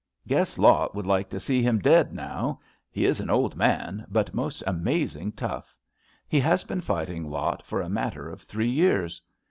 Guess Lot would like to see him dead now. He is an old man, but most amazing tough. He has been fighting Lot for a matter of three years.